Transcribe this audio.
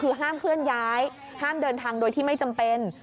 คือห้ามเคลื่อนย้ายห้ามเดินทางโดยที่ไม่จำเป็น